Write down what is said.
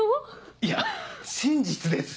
いや真実です！